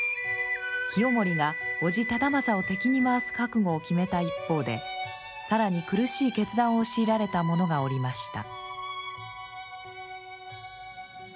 清盛が叔父忠正を敵に回す覚悟を決めた一方で更に苦しい決断を強いられた者がおりました。